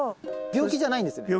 病気じゃないです。